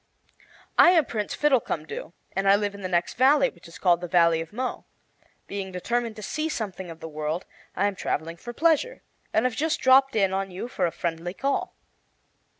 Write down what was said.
"I am Prince Fiddlecumdoo, and I live in the next valley, which is called the Valley of Mo. Being determined to see something of the world, I am traveling for pleasure, and have just dropped in on you for a friendly call."